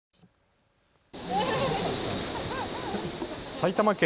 埼玉県